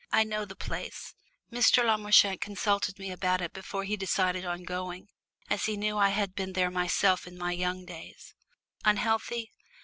I know the place Mr. Le Marchant consulted me about it before he decided on going, as he knew I had been there myself in my young days. Unhealthy?